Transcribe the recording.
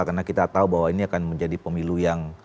karena kita tahu bahwa ini akan menjadi pemilu yang